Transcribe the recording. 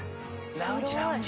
ラウンジラウンジ。